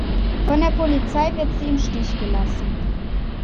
Von der Polizei wird sie im Stich gelassen.